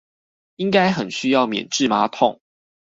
應該很需要免治馬桶